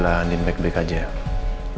gak aman kalo tidur bareng sama aku